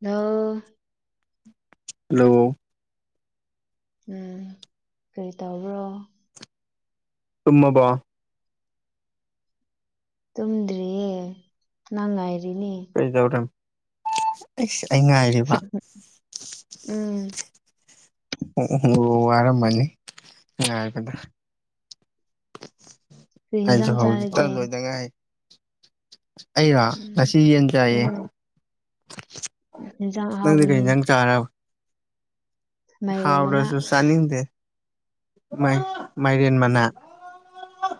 ꯅ ꯍꯜꯂꯣ ꯎꯝ ꯀꯔꯤ ꯇꯧꯕ꯭ꯔꯣ ꯇꯃꯕꯕꯥ ꯇꯨꯝꯗ꯭ꯔꯤꯌꯦ ꯅꯪ ꯉꯥꯏꯔꯤꯅꯦ ꯀꯩꯗꯧꯔ ꯑꯩꯁ ꯑꯩ ꯉꯥꯏꯔꯤꯕ ꯎꯝ ꯑꯣ ꯑꯣ ꯋꯥꯔꯃꯅꯤ ꯉꯕꯗ ꯀꯔꯤ ꯑꯩꯁꯨ ꯌꯦꯟꯖꯥꯡ ꯆꯥꯔꯒꯦ ꯍꯧꯖꯤꯛꯇꯪ ꯂꯣꯏꯗꯉꯥꯏ ꯍꯥꯏ ꯑꯩꯔ ꯎꯝ ꯉꯁꯤ ꯌꯦꯟ ꯆꯥꯏꯌꯦ ꯎꯝ ꯌꯦꯟꯖꯥꯡ ꯅꯪꯗꯤ ꯀꯔꯤ ꯑꯍꯥꯎꯕꯅꯤꯅꯦ ꯅꯪ ꯆꯥꯔꯕ ꯃꯥꯏꯔꯦꯟ ꯃꯅꯥ ꯍꯥꯎꯔꯁꯨ ꯆꯥꯅꯤꯡꯗꯦ ꯃꯥꯏꯔꯦꯟ ꯃꯅꯥ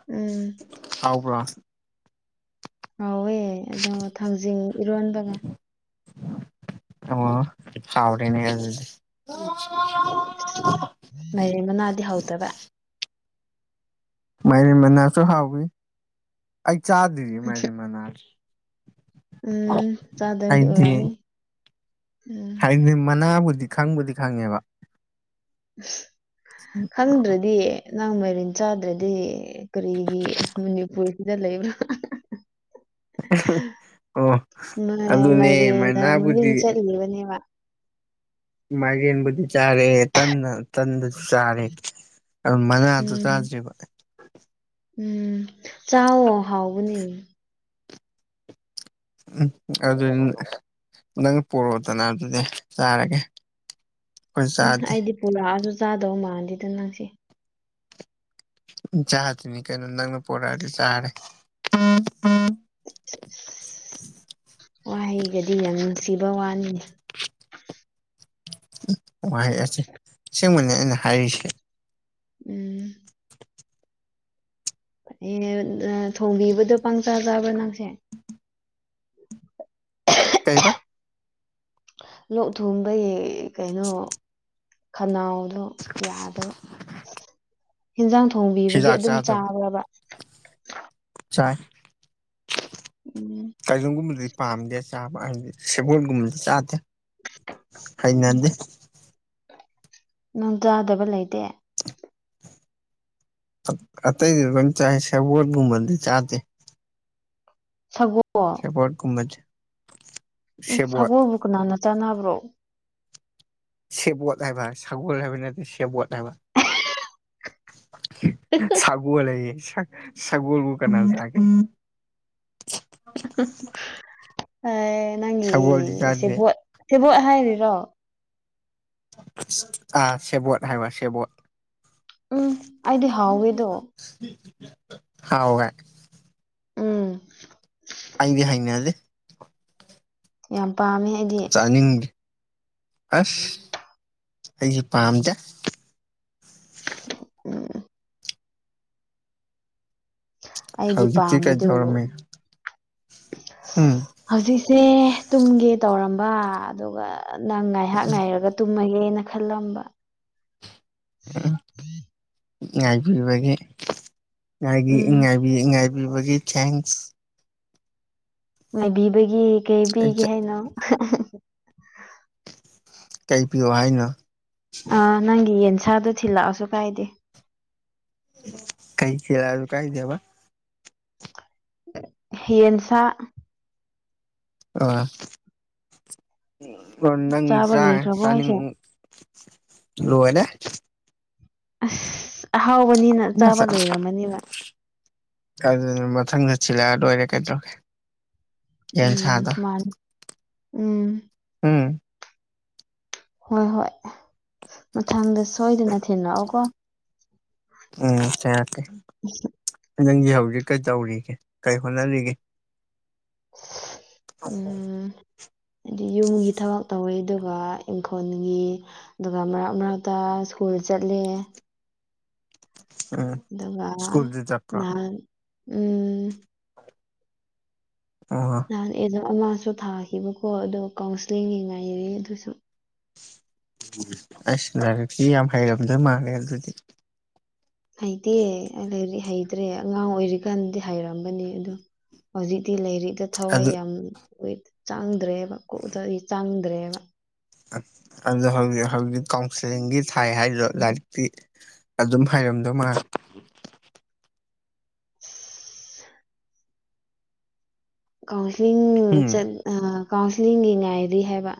ꯎꯝ ꯊꯥꯎ ꯄꯨꯔ ꯍꯥꯎꯋꯦ ꯑꯗꯣ ꯊꯥꯡꯖꯤꯡ ꯏꯔꯣꯟꯕꯒ ꯑꯣ ꯍꯥꯎꯅꯤꯗꯤ ꯑ ꯃꯔꯦꯡ ꯃꯅꯥꯗꯤ ꯍꯧꯗꯕ ꯃꯥꯏꯔꯤꯦꯝ ꯃꯅꯥꯁꯨ ꯍꯥꯎꯏꯤ ꯑꯩ ꯆꯥꯗ꯭ꯔꯤ ꯃꯥꯏꯔꯤꯝ ꯃꯅꯥꯁ ꯎꯝ ꯆꯥꯗ ꯑꯩꯗꯤ ꯑꯣꯔꯅꯤ ꯎꯝ ꯃꯅꯥꯕꯨꯗꯤ ꯈꯪꯕꯨꯗꯤ ꯈꯪꯉꯦꯕ ꯈꯪꯗ꯭ꯔꯗꯤ ꯃꯥꯏꯔꯦꯟ ꯆꯥꯗ꯭ꯔꯗꯤ ꯀꯔꯤꯒꯤ ꯃꯅꯤꯄꯨꯔꯁꯤꯗ ꯂꯩꯕ꯭ꯔꯥ ꯑꯣ ꯑꯗꯨꯅꯦ ꯃꯥꯏꯅꯥꯕꯨꯗꯤ ꯂꯩꯕꯅꯦ ꯋꯥ ꯃꯥꯒꯤ ꯌꯦꯕꯨ ꯆꯔꯦ ꯇꯅ ꯇꯟꯗ ꯆꯥꯔꯦ ꯑꯗꯨ ꯃꯅꯥꯗꯨ ꯎꯝ ꯆꯥꯗ꯭ꯔꯤꯕ ꯎꯝ ꯆꯥꯎꯑꯣ ꯍꯥꯎꯕꯅꯦ ꯎꯝ ꯑꯗꯨ ꯅꯪ ꯄꯣꯔꯛꯑꯣꯗꯅ ꯑꯗꯨꯗꯤ ꯆꯥꯔꯒꯦ ꯑꯩꯈꯣꯏ ꯎꯝ ꯆꯥꯗꯦ ꯑꯩꯗꯤ ꯄꯨꯔꯛꯑꯁꯨ ꯆꯥꯗꯧ ꯃꯥꯟꯗꯦꯗ ꯅꯪꯁꯦ ꯎ ꯆꯥꯗꯣꯏꯅꯤ ꯀꯩꯅꯣ ꯅꯪꯅ ꯄꯨꯔꯛꯑꯗꯤ ꯆꯥꯔꯦ ꯋꯥꯍꯩꯒꯗꯤ ꯌꯥꯝ ꯅꯨꯡꯁꯤꯕ ꯋꯥꯅꯤꯅꯦ ꯎ ꯋꯥꯍ ꯑꯁꯦ ꯁꯤꯒꯨꯝꯕꯅꯦ ꯑꯩꯅ ꯍꯥꯏꯔꯤꯁꯦ ꯎꯝ ꯑꯦ ꯊꯣꯡꯕꯤꯕꯗꯣ ꯄꯪꯆꯥꯥ ꯆꯥꯕ꯭ꯔꯥ ꯅꯪꯁꯦ ꯀꯩꯕ ꯂꯣꯛ ꯊꯨꯡꯕꯩ ꯀꯩꯅꯣ ꯈꯅꯥꯎ ꯑꯗꯣ ꯌꯥꯗꯕ ꯍꯦꯟꯖꯥꯡ ꯊꯣꯡꯕꯤꯕꯗꯤ ꯆꯤꯟꯖꯥꯛ ꯑꯗꯨꯝ ꯆꯥꯗꯕ ꯆꯥꯕꯕ꯭ꯔꯥ ꯆꯥꯏ ꯎꯝ ꯀꯩꯒꯨꯝꯒꯨꯝꯕꯗꯤ ꯄꯥꯝꯗꯦ ꯆꯥꯕ ꯍꯥꯏꯗꯤ ꯁꯦꯕꯣꯠꯒꯨꯝꯕꯗꯤ ꯆꯥꯗꯦ ꯎꯝ ꯍꯩꯅꯗꯦ ꯅꯪ ꯆꯥꯗꯕ ꯂꯩꯇꯦ ꯑꯇꯩꯗꯤ ꯂꯣꯏ ꯆꯥꯏ ꯁꯦꯕꯣꯠꯒꯨꯝꯕꯗꯤ ꯆꯥꯗꯦ ꯁꯒꯣꯜ ꯁꯦꯕꯣꯠꯀꯨꯝꯕꯗꯤ ꯎꯝ ꯁꯒꯣꯜꯕꯨ ꯀꯅꯥꯅ ꯆꯥꯟꯅꯕ꯭ꯔꯣ ꯁꯦꯕꯣꯠ ꯍꯥꯏꯕ ꯁꯒꯣꯜ ꯍꯥꯏꯕ ꯅꯠꯇꯦ ꯁꯦꯕꯣꯠ ꯍꯥꯏꯕ ꯁꯥꯒꯣꯜ ꯍꯥꯏꯌꯦ ꯁꯒꯣꯜꯕꯨ ꯀꯅꯥꯅ ꯆꯥꯒꯦ ꯅꯪꯒꯤ ꯁꯒꯣꯜꯗꯤ ꯆꯥꯗꯦ ꯁꯦꯕꯣꯠ ꯁꯦꯕꯣꯠ ꯍꯥꯏꯔꯤꯔꯣ ꯑꯥ ꯁꯦꯕꯣꯠ ꯍꯥꯏꯕ ꯁꯦꯕꯣꯠ ꯎꯝ ꯑꯩꯗꯤ ꯍꯥꯎꯋꯦꯗꯣ ꯍꯥꯎꯑꯦ ꯎꯝ ꯑꯩꯗꯤ ꯍꯩꯅꯗꯦ ꯌꯥꯝ ꯄꯥꯝꯃꯦ ꯑꯩꯗꯤ ꯆꯥꯅꯤꯡꯗꯦ ꯑꯁ ꯑꯩꯗꯤ ꯄꯥꯝꯗꯦ ꯎꯝ ꯑꯩꯗꯤ ꯍꯧꯖꯤꯛꯇꯤ ꯄꯥꯝꯕꯗꯨ ꯀꯩꯗꯧꯔꯝꯃꯤ ꯍꯝ ꯍꯧꯖꯤꯛꯁꯦ ꯇꯨꯝꯒꯦ ꯇꯧꯔꯝꯕ ꯑꯗꯨꯒ ꯅꯪ ꯉꯥꯏꯍꯥꯛ ꯉꯥꯏꯔꯒ ꯇꯨꯝ ꯇꯨꯝꯃꯒꯦꯅ ꯈꯜꯂꯝꯕ ꯉꯥꯏꯕꯤꯕꯒꯤꯉꯥꯢꯕꯤ ꯎꯝ ꯉꯥꯢꯕꯤ ꯉꯥꯏꯕꯤꯕꯒꯤ ꯊꯦꯡꯁ ꯉꯥꯏꯕꯤꯕꯒꯤ ꯀꯩ ꯄꯤꯒꯦ ꯑꯩ ꯍꯥꯏꯅꯣ ꯀꯩꯩ ꯄꯤꯌꯣ ꯍꯥꯏꯅꯣ ꯑ ꯅꯪꯒꯤ ꯌꯦꯟꯁꯥꯗꯨ ꯊꯤꯜꯂꯛꯑꯁꯨ ꯀꯥꯏꯗꯦ ꯀꯩ ꯊꯤꯜꯂꯛꯑꯁꯨ ꯀꯥꯏꯗꯦꯕ ꯌꯦꯟꯁꯥ ꯑꯣ ꯅꯪ ꯆꯥꯕ ꯆꯥ ꯂꯣꯏꯈ꯭ꯔꯕꯣ ꯍꯥꯏꯁꯦ ꯆꯥꯅꯤꯡ ꯂꯣꯢꯔꯦ ꯑꯁ ꯑꯍꯥꯎꯕꯅꯤꯅ ꯆꯥꯕ ꯂꯣꯢꯔꯝꯃꯅꯦꯕ ꯑꯗꯨꯅꯤ ꯃꯊꯪꯗ ꯊꯤꯜꯂꯛꯑ ꯂꯣꯏꯔꯦ ꯀꯩꯗꯧꯔꯒꯦ ꯎꯝ ꯌꯦꯟꯁꯥꯗꯣ ꯃꯥꯅꯤ ꯎꯝ ꯎꯝ ꯍꯣꯏ ꯍꯣꯏ ꯃꯊꯪꯗ ꯁꯣꯏꯗꯅ ꯊꯤꯟꯂꯛꯑꯣ ꯀꯣ ꯎꯝ ꯊꯤꯜꯂꯛꯀꯦ [unintelligible] ꯅꯪꯗꯤ ꯍꯧꯖꯤꯛ ꯀꯩ ꯇꯧꯔꯤꯒꯦ ꯀꯩ ꯍꯣꯠꯅꯔꯤꯒꯦ ꯎꯝ ꯑꯩꯗꯤ ꯌꯨꯝꯒꯤ ꯊꯕꯛ ꯇꯧꯢ ꯑꯗꯨꯒ ꯏꯪꯈꯣꯜꯒꯤ ꯑꯗꯨꯒ ꯃꯔꯛ ꯃꯔꯛꯇ ꯁ꯭ꯀꯨꯜ ꯆꯠꯂꯦ ꯎꯝ ꯑꯗꯨꯒ ꯁ꯭ꯀꯨꯜꯗꯤ ꯆꯠꯄ꯭ꯔꯣ ꯅꯍꯥꯟ ꯎꯝ ꯑꯣ ꯍꯣ ꯅꯍꯥꯟ ꯑꯦꯛꯖꯥꯝ ꯑꯃꯁꯨ ꯊꯥꯈꯤꯕꯀꯣ ꯑꯗꯣ ꯀꯥꯎꯟꯁꯤꯂꯤꯡꯒꯤ ꯉꯥꯏꯔꯤ ꯑꯗꯨꯁꯨ ꯑꯁ ꯂꯥꯏꯔꯤꯛꯇꯤ ꯌꯥꯝ ꯍꯩꯔꯝꯗꯣꯏ ꯃꯥꯜꯂꯦ ꯑꯗꯨꯗꯤ ꯍꯩꯇꯦ ꯑꯗꯨꯗꯤ ꯍꯩꯇ꯭ꯔꯦ ꯑꯉꯥꯡ ꯑꯣꯏꯔꯤꯀꯥꯟꯗꯤ ꯍꯩꯔꯝꯕꯅꯦ ꯑꯗꯣ ꯍꯧꯖꯤꯛꯇꯤ ꯂꯩꯔꯤꯛꯇ ꯊꯋꯥꯏ ꯑꯗꯨ ꯌꯥꯝ ꯆꯪꯗ꯭ꯔꯦꯕ ꯀꯣꯛꯇꯗꯤ ꯆꯪꯗ꯭ꯔꯦꯕ ꯑꯠ ꯑꯗꯣ ꯍꯧꯖꯤꯛ ꯍꯧꯖꯤꯛ ꯀꯥꯎꯟꯁꯤꯂꯤꯡꯒꯤ ꯊꯥꯏ ꯍꯥꯏꯗꯣ ꯂꯥꯏꯔꯤꯛꯇꯤ ꯑꯗꯨꯝ ꯍꯥꯏꯔꯝꯗꯧ ꯃꯥꯜ [inaudible] ꯀꯥꯎꯟꯁꯂꯤꯡ ꯎꯝ ꯆꯠ ꯑꯥ ꯀꯥꯎꯟꯁꯤꯂꯤꯡꯒꯤ ꯉꯥꯏꯔꯤ ꯍꯥꯏꯕ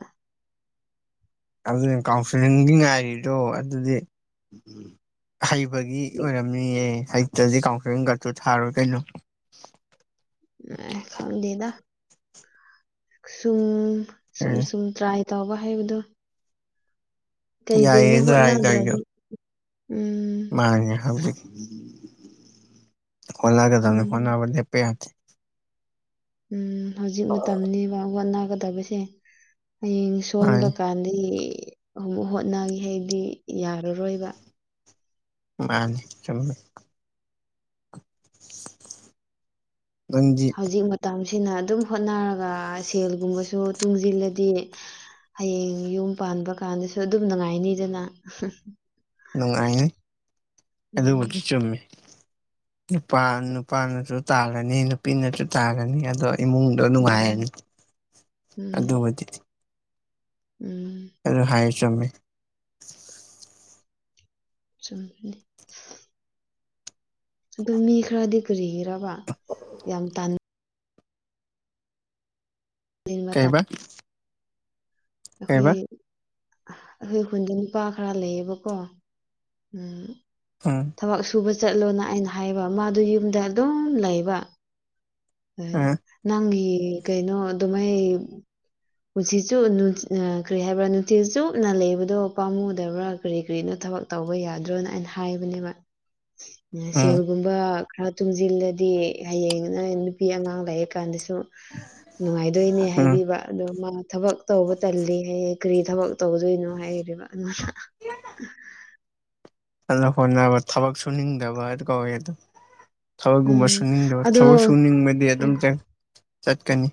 ꯑꯗꯨꯅ ꯀꯥꯎꯟꯁꯤꯂꯤꯡꯒꯤ ꯉꯥꯏꯔꯤꯗꯣ ꯑꯗꯨꯗꯤ ꯍꯩꯕꯒꯤ ꯑꯣꯏꯔꯝꯅꯤꯌꯦ ꯍꯩꯇꯗꯤ ꯀꯥꯎꯟꯁꯤꯂꯤꯡꯒꯥꯛꯇ ꯊꯥꯔꯣꯏ ꯀꯩꯅꯣ ꯑ ꯈꯪꯗꯦꯗ ꯁꯨꯝ ꯁꯨꯝ ꯎꯝ ꯁꯨꯝ ꯇ꯭ꯔꯥꯏ ꯇꯧꯕ ꯍꯥꯏꯕꯗꯨ ꯀꯩ ꯌꯥꯏꯌꯦ ꯀꯩꯅꯣ ꯇ꯭ꯔꯥꯏ ꯍꯣꯠꯅꯗ꯭ꯔꯗꯤ ꯎꯝ ꯑꯅꯦ ꯍꯧꯖꯤꯛ ꯍꯣꯠꯅꯒꯗꯝꯅꯦ ꯎꯝ ꯍꯣꯠꯅꯕ ꯂꯦꯞꯄ ꯌꯥꯗꯦ ꯎꯝ ꯍꯧꯖꯤꯛ ꯃꯇꯝꯅꯤꯕ ꯋꯥꯠ ꯅꯥꯒꯗꯕꯁꯦ ꯍꯌꯦꯡ ꯂꯣꯟꯕ ꯃꯥꯅꯤ ꯀꯥꯟꯗꯤ ꯑꯃꯨ ꯍꯣꯠꯅꯒꯦ ꯍꯥꯏꯗꯤ ꯌꯥꯔꯔꯣꯏꯕ ꯃꯥꯅꯤ ꯆꯨꯃꯦ ꯍꯧꯖꯤꯛ ꯃꯇꯝꯁꯤꯅ ꯑꯗꯨꯝ ꯍꯣꯠꯅꯔꯒ ꯁꯦꯜꯒꯨꯝꯕꯁꯨ ꯇꯨꯡꯖꯤꯜꯂꯗꯤ ꯍꯌꯦꯡ ꯌꯨꯝ ꯄꯥꯟꯕ ꯀꯥꯟꯗꯁꯨ ꯑꯗꯨꯝ ꯅꯨꯡꯉꯥꯏꯅꯤꯗꯅ ꯅꯨꯡꯉꯥꯏꯅꯤ ꯎꯝ ꯑꯗꯨꯕꯨꯗꯤ ꯆꯨꯝꯃꯤ ꯅꯨꯄꯥ ꯅꯨꯄꯥꯅꯁꯨ ꯇꯥꯜꯂꯅꯤ ꯅꯨꯄꯤꯅꯁꯨ ꯇꯥꯜꯂꯅꯤ ꯑꯗꯣ ꯏꯃꯨꯡ ꯗꯣꯅꯨꯡꯉꯥꯏꯅꯤ ꯎꯝ ꯎꯝ ꯑꯗꯨꯕꯨꯗꯤ ꯎꯝ ꯑꯗꯨ ꯍꯥꯏ ꯆꯨꯝꯃꯦ ꯆꯨꯝꯕꯅꯦ ꯑꯗꯨ ꯃꯤ ꯈꯔꯗꯤ ꯀꯔꯤꯒꯤꯔꯕ ꯌꯥꯝ ꯇꯟ ꯀꯩꯕꯥ ꯑꯩꯈꯣꯏ ꯑꯩꯈꯣꯏ ꯈꯨꯟꯗ ꯅꯨꯄꯥ ꯈꯔ ꯂꯩꯌꯦꯕꯀꯣ ꯎꯝ ꯎꯝ ꯊꯕꯛ ꯁꯨꯕ ꯆꯠꯂꯣꯅ ꯑꯩꯅ ꯍꯥꯏꯕ ꯃꯥꯗꯨ ꯌꯨꯝꯗ ꯑꯗꯨꯝ ꯂꯩꯕ ꯑꯩ ꯎꯝ ꯅꯪꯒꯤ ꯀꯩꯅꯣ ꯑꯗꯨꯃꯥꯏ ꯄꯨꯟꯁꯤꯆꯨ ꯅꯨ ꯑꯥ ꯀꯔꯤ ꯍꯥꯏꯕ꯭ꯔꯥ ꯅꯨꯡꯊꯤꯜ ꯆꯨꯞꯅ ꯂꯩꯕꯗꯣ ꯄꯥꯝꯃꯨꯗꯕ꯭ꯔꯥ ꯀꯔꯤ ꯀꯔꯤꯅꯣ ꯊꯕꯛ ꯇꯧꯕ ꯌꯥꯗ꯭ꯔꯣꯅ ꯑꯩꯅ ꯍꯥꯏꯕꯅꯦꯕ ꯎꯝ ꯁꯦꯜꯒꯨꯝ ꯕ ꯈꯔ ꯇꯨꯡꯖꯤꯜꯂꯗꯤ ꯍꯌꯦꯡꯅ ꯅꯨꯄꯤ ꯑꯉꯥꯡ ꯂꯩꯔꯤꯀꯥꯟꯗꯁꯨ ꯅꯨꯡꯉꯥꯏꯗꯣꯏꯅꯦ ꯎꯝ ꯍꯥꯏꯕꯤꯕ ꯑꯗꯣ ꯃꯥ ꯊꯕꯛ ꯇꯧꯕ ꯇꯜꯂꯤ ꯍꯥꯏꯌꯦ ꯀꯔꯤ ꯊꯕꯛ ꯇꯧꯗꯣꯏꯅꯣ ꯍꯥꯏꯔꯤꯕ ꯑꯗꯨꯅ ꯑꯟꯅ ꯍꯣꯠꯅꯕ ꯊꯕꯛ ꯁꯨꯅꯤꯡꯗꯕ ꯑꯗꯨ ꯀꯧꯋꯤ ꯑꯗꯨ ꯊꯕꯛꯒꯨꯝꯕ ꯎꯝ ꯁꯨꯅꯤꯡꯗꯕ ꯑꯗꯣ ꯊꯕꯛ ꯁꯨꯅꯤꯡꯕꯗꯤ ꯑꯗꯨꯝ ꯆꯠ ꯆꯠꯀꯅꯤ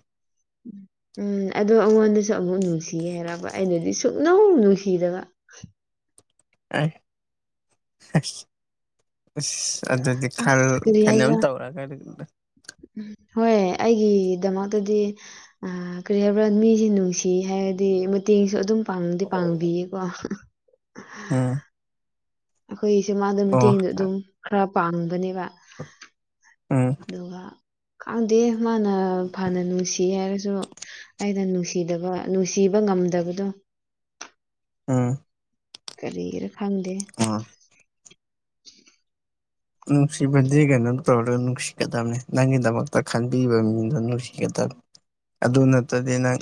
ꯎꯝ ꯑꯗꯣ ꯑꯩꯉꯣꯟꯗꯁꯨ ꯑꯃꯨꯛ ꯅꯨꯡꯁꯤꯌꯦ ꯍꯥꯏꯔꯕ ꯑꯩꯅꯗꯤ ꯁꯨꯛꯅꯨꯡ ꯅꯨꯡꯁꯤꯗꯕ [unintelligible] ꯑꯗꯨꯗꯤ ꯈꯜ ꯑꯁ ꯀꯔꯤ ꯀꯥꯅꯣꯝ ꯍꯥꯏꯁꯤꯔꯥ ꯇꯧꯔꯒꯗꯤ ꯎꯝ ꯍꯣꯏ ꯑꯩꯒꯤꯗꯃꯛꯇꯗꯤ ꯑ ꯀꯔꯤ ꯍꯥꯏꯕ꯭ꯔꯥ ꯃꯤꯁꯦ ꯅꯨꯡꯁꯤ ꯍꯥꯏꯔꯗꯤ ꯃꯇꯦꯡꯁꯨ ꯑꯗꯨꯝ ꯄꯥꯡꯗꯤ ꯄꯥꯡꯕꯤꯌꯦꯀꯣ ꯎꯝ ꯑꯩꯈꯣꯏꯒꯤ ꯁꯨꯃꯥꯡꯗ ꯑꯣ ꯃꯤꯇꯤꯡ ꯑꯗꯨꯝ ꯈꯔ ꯄꯥꯡꯕꯅꯦꯕ ꯎꯝ ꯑꯗꯨꯒ ꯈꯪꯗꯦ ꯃꯥꯅ ꯐꯅ ꯅꯨꯡꯁꯤ ꯍꯥꯏꯔꯁꯨ꯫ ꯑꯩꯅ ꯅꯨꯡꯁꯤꯗꯕ ꯅꯨꯡꯁꯤꯕ ꯉꯝꯗꯕꯗꯣ꯫ ꯑꯥ ꯀꯔꯤꯒꯤꯔ ꯈꯪꯗꯦ꯫ ꯑ ꯅꯨꯡꯁꯤꯕꯗꯤ ꯀꯩꯅꯣ ꯇꯧꯔ ꯅꯨꯡꯁꯤꯒꯗꯝꯅꯤ ꯅꯪꯒꯤꯗꯃꯛꯇ ꯈꯟꯕꯤꯕ ꯃꯤꯗꯣ ꯅꯨꯡꯁꯤꯒꯗꯝ ꯑꯗꯨ ꯅꯠꯇꯗꯤ ꯅꯪ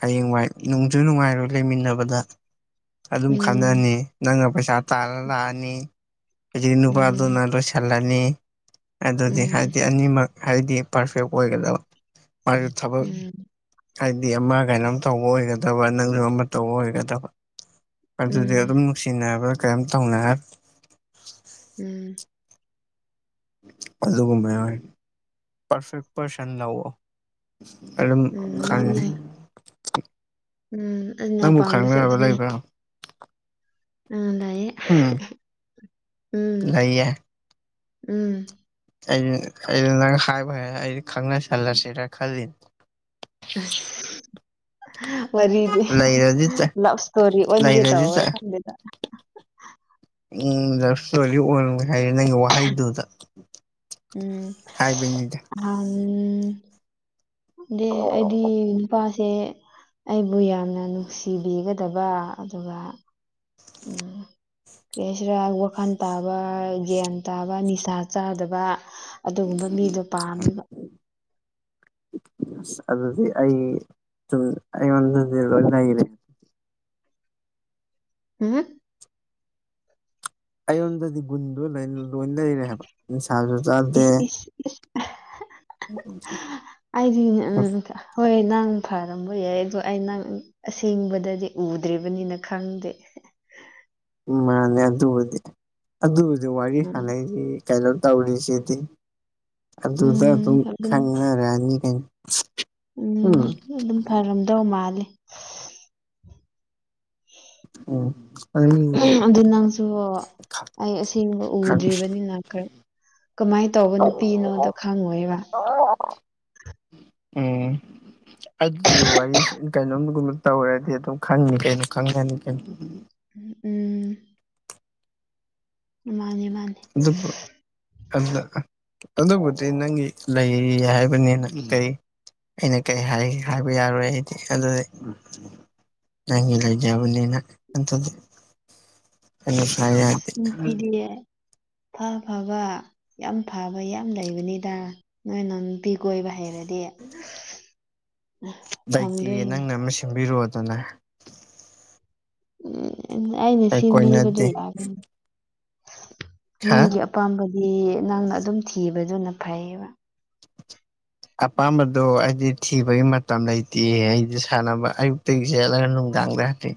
ꯍꯌꯦꯡꯋꯥꯏ ꯅꯨꯡꯖꯨ ꯅꯨꯡꯉꯥꯏꯔꯣꯏ ꯂꯩꯃꯤꯟꯅꯕꯗ ꯑꯗꯨꯝ ꯎꯝ ꯈꯪꯅꯅꯤ ꯅꯪꯅ ꯄꯩꯁꯥ ꯇꯥꯜꯂ ꯂꯥꯛꯑꯅꯤ ꯍꯧꯖꯤ ꯅꯨꯄꯥ꯫ ꯎꯝ ꯂꯣꯏꯁꯤꯜꯂꯅꯤ ꯑꯗꯨꯗꯤ ꯎꯝ ꯍꯥꯏꯗꯤ ꯑꯅꯤꯃꯛ ꯍꯥꯏꯗꯤ ꯄꯔꯐꯦꯛ ꯑꯣꯏꯒꯗꯕ꯫ ꯃꯥꯔ ꯊꯕ꯫ ꯎꯝ ꯍꯥꯏꯗꯤ ꯑꯃ ꯀꯩꯅꯣꯝ ꯇꯧꯕ ꯑꯣꯏꯒꯗꯕ ꯅꯪꯁꯨ ꯑꯃ ꯇꯧꯕ ꯑꯣꯏꯒꯗꯕ꯫ ꯑꯗꯨꯗꯤ ꯎꯝ ꯑꯗꯨꯝ ꯅꯨꯡꯁꯤꯅꯕ꯭ꯔꯥ ꯀꯔꯤꯝ ꯇꯧꯅ꯫ ꯎꯝ꯫ ꯑꯗꯨꯒꯨꯝꯕ ꯄꯔꯐꯦꯛ ꯄꯔꯁꯟ ꯂꯧꯋꯣ ꯑꯝ ꯎꯝ ꯈꯥꯟꯗꯦ꯫ ꯃꯥꯅꯦ ꯎꯝ ꯑꯩꯅ ꯄꯥꯝꯕꯁꯨ ꯈꯪꯅꯔꯕ ꯑꯗꯨꯅꯤ ꯂꯩꯕ꯭ꯔꯣ ꯎꯝ ꯂꯩꯌꯦ ꯎꯝ ꯎꯝ ꯂꯩꯌꯦ ꯎꯝ꯫ ꯑ ꯑꯩꯅ ꯅꯪ ꯍꯥꯏꯕ ꯍꯥꯏꯔ ꯑꯩ ꯈꯪꯅꯁꯜꯂꯁꯤꯔ ꯈꯜꯂꯤꯅꯦ ꯑꯁ ꯋꯥꯔꯤꯗꯤ ꯂꯩꯔꯗꯤ ꯆꯠ ꯂꯕ ꯁꯇꯣꯔꯤ ꯑꯣꯟꯒꯦ ꯂꯩꯔꯗꯤ ꯇꯧꯋꯦ ꯆꯠ ꯈꯪꯗꯦꯗ ꯎꯝ ꯂꯞ ꯏꯁꯇꯣꯔꯤ ꯑꯣꯏꯔꯦ ꯍꯥꯏꯔꯦ ꯅꯪꯒꯤ ꯋꯥꯍꯩꯗꯨꯗ ꯎꯝ ꯍꯥꯏꯕꯅꯤꯗ ꯑꯩꯗꯤ ꯅꯨꯄꯥꯁꯦ ꯑꯩꯕꯨ ꯌꯥꯝꯅ ꯅꯨꯡꯁꯤꯕꯤꯒꯗꯕ ꯑꯗꯨꯒ [unintelligible] ꯀꯩ ꯍꯥꯏꯁꯤꯔꯥ ꯋꯥꯈꯜ ꯇꯥꯕ ꯒ꯭ꯌꯥꯟ ꯇꯥꯕ ꯅꯤꯁꯥ ꯆꯥꯗꯕ ꯑꯗꯨꯒꯨꯝꯕ ꯃꯤꯗꯣ ꯄꯥꯝꯃꯤꯕ ꯑ ꯑꯗꯨꯗꯤ ꯑꯩ ꯁꯨꯝ ꯑꯩꯉꯣꯟꯗꯗꯤ ꯂꯣꯏ ꯂꯩꯔꯦ ꯍꯝ ꯑꯩꯉꯣꯟꯗꯗꯤ ꯒꯨꯟꯗꯣ ꯂꯣꯏ ꯂꯩꯔꯦꯕ ꯅꯤꯁꯥꯁꯨ ꯆꯥꯗꯦ ꯏꯁ ꯏꯁ ꯏꯁ ꯑꯩꯗꯤ ꯍꯣꯏ ꯅꯪ ꯐꯔꯝꯕ ꯌꯥꯏ ꯑꯗꯣ ꯑꯩ ꯅꯪ ꯑꯁꯦꯡꯕꯗꯗꯤ ꯎꯗ꯭ꯔꯤꯕꯅꯤꯅ ꯈꯪꯗꯦ꯫ ꯎ ꯃꯥꯅꯦ ꯑꯗꯨꯕꯨꯗꯤ ꯑꯗꯨꯕꯨꯗꯤ ꯋꯥꯔꯤ ꯎꯝ ꯁꯥꯟꯅꯩꯁꯤ ꯀꯩꯅꯣ ꯇꯧꯔꯤꯁꯤꯗꯤ ꯑꯗꯨꯗ ꯑꯗꯨꯝ ꯈꯪꯅꯔꯅꯤ ꯀꯩꯅꯣ ꯎꯝ ꯑꯗꯨꯝ ꯐꯔꯝꯗꯧ ꯃꯥꯂꯦ [unintelligible] ꯎꯝ ꯑꯗꯨꯝ ꯑꯗꯨ ꯅꯪꯁꯨ ꯑꯩ ꯑꯁꯦꯡꯕ ꯎꯗ꯭ꯔꯤꯕꯅꯤꯅ ꯈꯔ ꯀꯃꯥꯏꯅ ꯇꯧꯕ ꯅꯨꯄꯤꯅꯣꯗꯣ ꯈꯪꯉꯣꯏꯕ ꯎꯝ ꯑꯩꯁꯨ ꯋꯥꯔꯤ ꯀꯩꯅꯣꯝꯒꯨꯝꯕ ꯇꯧꯔꯗꯤ ꯑꯗꯨꯝ ꯈꯪꯅꯤ ꯀꯩꯅꯣ ꯈꯪꯒꯅꯤ ꯀꯩꯅꯣ ꯎꯝ ꯎꯝ꯫ ꯃꯥꯅꯤ ꯃꯥꯅꯤ꯫ ꯑꯗꯨꯕꯨ ꯑꯗꯨꯕꯨꯗꯤ ꯅꯪꯒꯤ ꯂꯩꯔꯤ ꯍꯥꯏꯕꯅꯤꯅ ꯀꯩ ꯑꯩꯅ ꯀꯩ ꯍꯥꯏ ꯍꯥꯏꯕ ꯌꯥꯔꯣꯏ ꯑꯩꯗꯤ ꯑꯗꯨꯗꯤ ꯅꯪꯒꯤ ꯂꯩꯖꯕꯅꯤꯅ ꯑꯗꯨꯗꯤ ꯀꯩꯅꯣ ꯁꯥꯏ ꯌꯥꯗꯦ [unintelligible] ꯐꯥ ꯐꯕ ꯌꯥꯝ ꯐꯕ ꯌꯥꯝ ꯂꯩꯕꯅꯤꯗ ꯅꯣꯏ ꯅꯨꯄꯤ ꯀꯣꯏꯕ ꯍꯩꯔꯗꯤ ꯂꯩꯇꯦ ꯐꯪꯗꯣꯏꯅꯦ ꯅꯪꯅ ꯑꯃ ꯁꯦꯝꯕꯤꯔꯣꯗꯅ ꯎꯝ ꯑꯩꯅ ꯑꯩ ꯁꯤꯟꯕꯤꯕꯗꯨ ꯀꯣꯏꯅꯗꯦ ꯌꯥꯒꯅꯤ ꯍꯥ ꯅꯪꯒꯤ ꯑꯄꯥꯝꯕꯗꯤ ꯅꯪꯅ ꯑꯗꯨꯝ ꯊꯤꯕꯗꯨꯅ ꯐꯩꯌꯦꯕ ꯑꯄꯥꯝꯕꯗꯣ ꯑꯩꯗꯤ ꯊꯤꯕꯒꯤ ꯃꯇꯝ ꯂꯩꯇꯦ ꯑꯩꯗꯤ ꯁꯥꯟꯅꯕ ꯑꯌꯨꯛꯇꯒꯤ ꯆꯠꯂꯒ [unintelligible]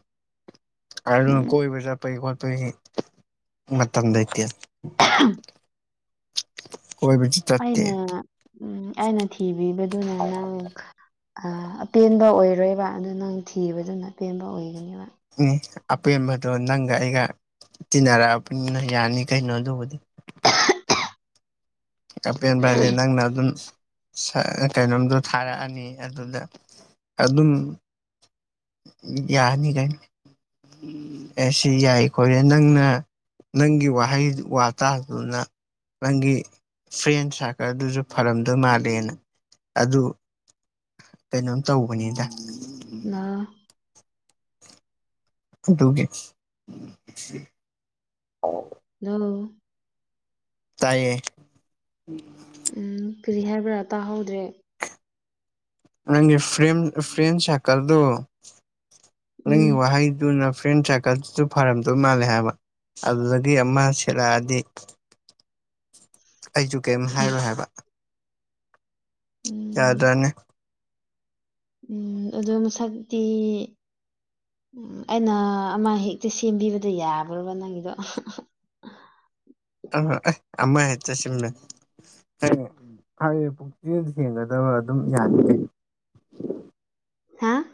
ꯑꯗꯨꯅ ꯎꯝ ꯀꯣꯏꯕ ꯆꯠꯄꯒꯤ ꯈꯣꯠꯄꯩ ꯃꯇꯝ ꯂꯩꯇꯦ [unintelligible] ꯑꯣꯏꯕ ꯑꯩꯅ ꯎꯝ ꯑꯩꯅ ꯊꯤꯕꯤꯕꯗꯨꯅ ꯅꯪ ꯑꯄꯦꯟꯕ ꯑꯣꯏꯔꯣꯏꯕ ꯑꯗꯨ ꯅꯪ ꯊꯤꯕꯗꯨꯅ ꯑꯄꯦꯟꯕ ꯑꯣꯏꯒꯅꯦꯕ ꯑꯄꯦꯟꯕꯗꯣ ꯅꯪꯒ ꯑꯩꯒ ꯇꯤꯟꯅꯔꯛꯑꯕꯅꯤꯅ ꯌꯥꯅꯤ ꯀꯩꯅꯣ ꯑꯗꯨꯕꯨꯗꯤ ꯑꯄꯦꯟꯕ ꯍꯥꯏꯗꯤ ꯅꯪꯅ ꯑꯗꯨꯝ ꯀꯩꯅꯣꯝꯗꯣ ꯊꯥꯔꯛꯑꯅꯤ ꯑꯗꯨꯗ ꯑꯗꯨꯝ ꯌꯥꯅꯤ ꯀꯩꯅ ꯑꯁꯤ ꯌꯥꯏꯈꯣꯏꯔꯦ ꯅꯪꯅ ꯅꯪꯒꯤ ꯋꯥꯍꯩ ꯋꯥꯇꯥꯥꯗꯨꯅ ꯅꯪꯒꯤ ꯐ꯭ꯔꯦꯟ ꯁꯥꯔꯀꯜꯗꯨꯁꯨ ꯐꯔꯝꯗꯣꯏ ꯃꯥꯜꯂꯦꯅ ꯑꯗꯨ ꯀꯩꯅꯣꯝ ꯇꯧꯕꯅꯤꯗ ꯎꯝ ꯑꯗꯨꯒꯤ [unintelligible] ꯇꯥꯏꯌꯦ ꯎꯝ ꯀꯔꯤ ꯍꯥꯏꯕ꯭ꯔꯥ ꯇꯥꯍꯧꯗ꯭ꯔꯦ ꯅꯪꯒꯤ ꯐ꯭ꯔꯦꯝ ꯐ꯭ꯔꯦꯝ ꯁꯔꯀꯜꯗꯣ ꯅꯪꯒꯤ ꯎꯝ ꯋꯥꯍꯩꯗꯨꯅ ꯐ꯭ꯔꯦꯟ ꯐꯥꯔꯝꯗꯣꯏ ꯃꯥꯜꯂꯦ ꯍꯥꯏꯕ ꯑꯗꯨꯗꯒꯤ ꯑꯃ ꯁꯦꯠꯂꯛꯑꯗꯤ ꯑꯩꯖꯨ ꯀꯦꯝ ꯍꯥꯏꯔꯣꯏ ꯍꯥꯏꯕ ꯎꯝ ꯌꯥꯗ꯭ꯔꯥꯅꯦ ꯑꯗꯨ ꯃꯁꯛꯇꯤ ꯎꯝ ꯑꯩꯅ ꯑꯃ ꯍꯦꯛꯇ ꯁꯦꯝꯕꯤꯕꯗ ꯌꯥꯕ꯭ꯔꯕ ꯅꯪꯒꯤꯗꯣ ꯑꯃ ꯍꯦꯛꯇ ꯁꯤꯝꯂ [unintelligible] ꯑꯗꯨꯝ ꯌꯥꯅꯤ ꯍꯥꯥ